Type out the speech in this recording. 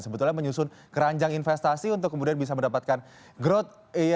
sebetulnya menyusun keranjang investasi untuk kemudian bisa mendapatkan growth